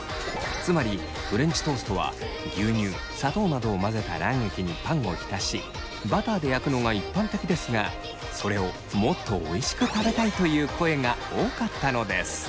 つまりフレンチトーストは牛乳砂糖などを混ぜた卵液にパンを浸しバターで焼くのが一般的ですがそれをもっとおいしく食べたいという声が多かったのです。